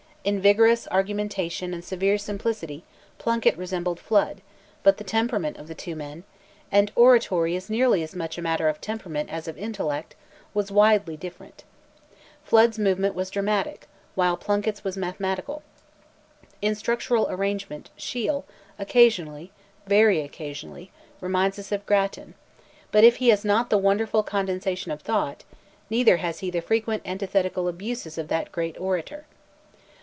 In vigorous argumentation and severe simplicity, Plunkett resembled Flood, but the temperament of the two men—and Oratory is nearly as much a matter of temperament as of intellect—was widely different. Flood's movement was dramatic, while Plunkett's was mathematical. In structural arrangement, Shiel, occasionally—very occasionally—reminds us of Grattan; but if he has not the wonderful condensation of thought, neither has he the frequent antithetical abuses of that great orator.